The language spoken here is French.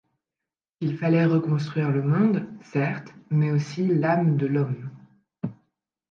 Qu'il fallait reconstruire le monde, certes, mais aussi l'âme de l'homme.